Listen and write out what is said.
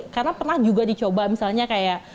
karena pernah juga dicoba misalnya kayak